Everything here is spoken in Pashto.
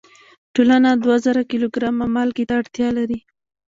ټولنه دوه زره کیلو ګرامه مالګې ته اړتیا لري.